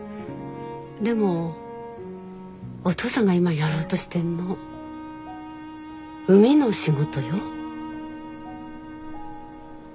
でもおとうさんが今やろうとしてんの海の仕事よ？